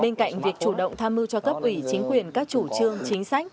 bên cạnh việc chủ động tham mưu cho cấp ủy chính quyền các chủ trương chính sách